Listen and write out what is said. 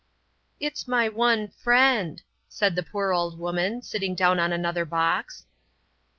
"It's my one friend," said the poor old woman, sitting down on another box.